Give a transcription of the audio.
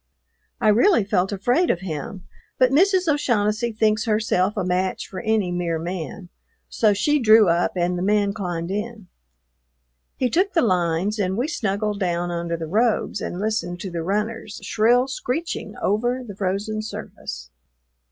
I really felt afraid of him, but Mrs. O'Shaughnessy thinks herself a match for any mere man, so she drew up and the man climbed in. He took the lines and we snuggled down under the robes and listened to the runners, shrill screeching over the frozen surface.